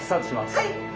はい。